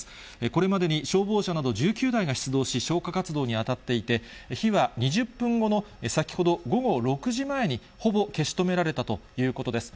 これまでに消防車など１９台が出動し、消火活動に当たっていて、火は２０分後の先ほど午後６時前にほぼ消し止められたということです。